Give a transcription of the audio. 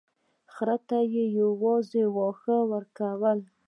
خر ته یې یوازې واښه ورکول.